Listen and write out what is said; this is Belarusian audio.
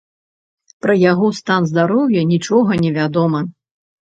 Пра яго стан здароўя нічога не вядома.